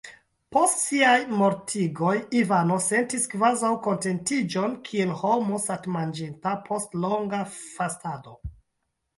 Post siaj mortigoj Ivano sentis kvazaŭ kontentiĝon, kiel homo satmanĝinta post longa fastado.